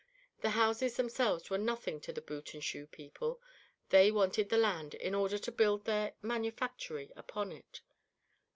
The houses themselves were nothing to the boot and shoe people; they wanted the land in order to build their manufactory upon it.